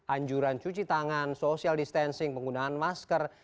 anjuran cuci tangan social distancing penggunaan masker